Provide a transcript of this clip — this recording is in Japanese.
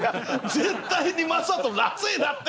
絶対にマサと夏恵だって！